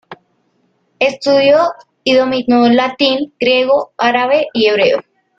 Estudió y dominó el latín, griego, árabe y hebreo.